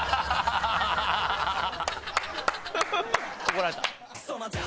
怒られた。